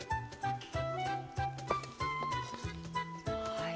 はい。